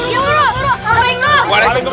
ya uruh uruh